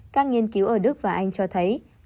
các nghiên cứu ở đức và anh cho thấy